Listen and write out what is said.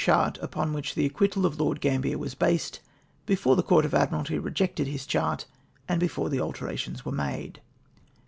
chart, upon which the acquittal of Lord Gambier was based ; before the Court of Admiralty rejected his chart, and before the alterations were made.